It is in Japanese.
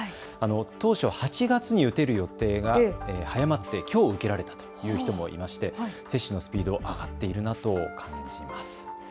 当初８月に打てる予定が早まってきょう受けられたという方もいまして接種のスピードは上がっているなと感じます。